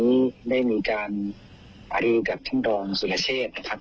วันนี้ได้มีการหารือกับท่านรองสุรเชษนะครับ